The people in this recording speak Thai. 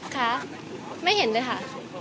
ค่ะไม่เห็นเลยค่ะ